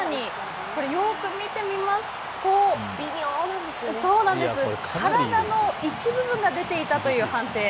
よく見てみますと体の一部分が出ていたという判定。